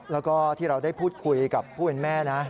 แล้วก็ที่เราได้พูดคุยกับผู้เป็นแม่นะ